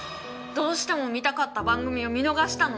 どうしても見たかった番組を見逃したの！